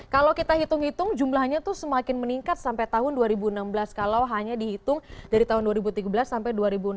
kalau kita hitung hitung jumlahnya itu semakin meningkat sampai tahun dua ribu enam belas kalau hanya dihitung dari tahun dua ribu tiga belas sampai dua ribu enam belas